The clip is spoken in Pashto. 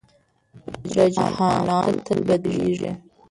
رجحانات تل بدلېږي.